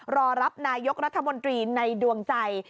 รอรับนายกรัฐมนตรีในดวงใจ